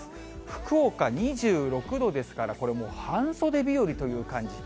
福岡２６度ですから、これもう半袖日和という感じ。